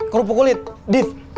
kerupuk kulit diff